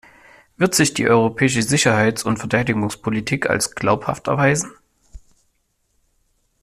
Wird sich die europäische Sicherheits- und Verteidigungspolitik als glaubhaft erweisen?